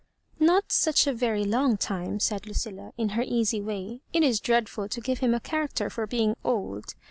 *' Not such a very long time," said Lucilla, in her easy way. ^ It is dreadful to give him a cliaracter for being old.